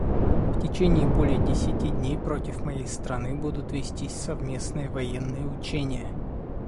В течение более десяти дней против моей страны будут вестись совместные военные учения.